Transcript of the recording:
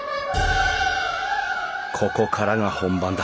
ここからが本番だ